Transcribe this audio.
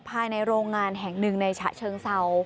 ภายในโรงงานแห่ง๑ในฉะเชิงเซา